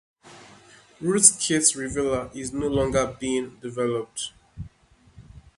RootkitRevealer is no longer being developed.